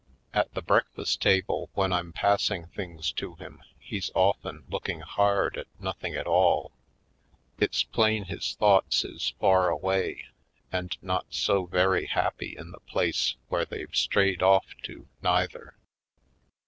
At the breakfast table when I'm passing things to him he's often looking hard at nothing at all. It's plain his thoughts is far away and not so very happy in the place where they've strayed off to, neither.